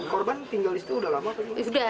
korban tinggal di situ udah lama